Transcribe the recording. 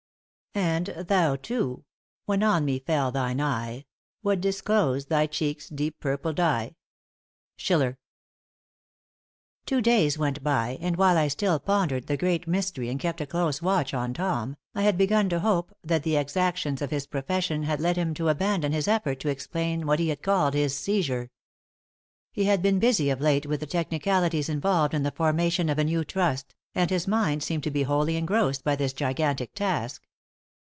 * And thou, too when on me fell thine eye, What disclos'd thy cheek's deep purple dye? SCHILLER. Two days went by, and while I still pondered the great mystery and kept a close watch on Tom, I had begun to hope that the exactions of his profession had led him to abandon his effort to explain what he had called his "seizure." He had been busy of late with the technicalities involved in the formation of a new trust, and his mind seemed to be wholly engrossed by this gigantic task.